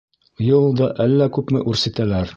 Йыл да әллә күпме үрсетәләр!